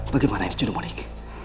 bagaimana ini cudumulik